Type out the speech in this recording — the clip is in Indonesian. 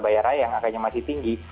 surabaya raya yang harganya masih tinggi